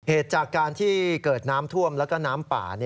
เหตุจากการที่เกิดน้ำท่วมแล้วก็น้ำป่า